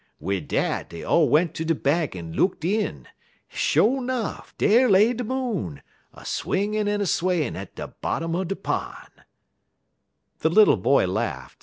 "Wid dat dey all went ter de bank en lookt in; en, sho' nuff, dar lay de Moon, a swingin' an' a swayin' at de bottom er de pon'." The little boy laughed.